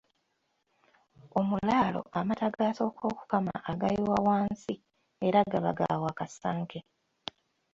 Omulaalo amata g’asooka okukama agayiwa wansi era gaba ga Wakasanke.